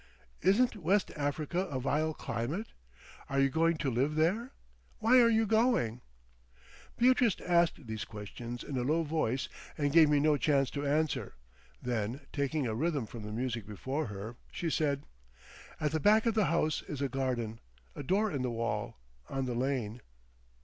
"Isn't West Africa a vile climate?" "Are you going to live there?" "Why are you going?" Beatrice asked these questions in a low voice and gave me no chance to answer. Then taking a rhythm from the music before her, she said— "At the back of the house is a garden—a door in the wall—on the lane.